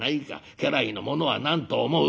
家来の者は何と思う？